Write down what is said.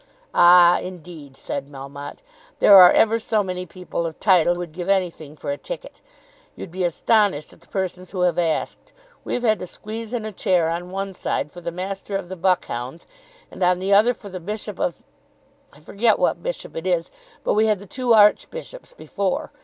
"Ah, indeed," said Melmotte. "There are ever so many people of title would give anything for a ticket. You'd be astonished at the persons who have asked. We've had to squeeze in a chair on one side for the Master of the Buckhounds, and on another for the Bishop of ; I forget what bishop it is, but we had the two archbishops before.